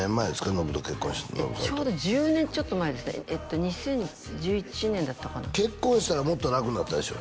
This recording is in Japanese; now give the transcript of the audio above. ノヴと結婚したのちょうど１０年ちょっと前ですね２０１１年だったかな結婚したらもっと楽になったでしょ？